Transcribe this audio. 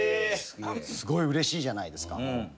すごいうれしいじゃないですか。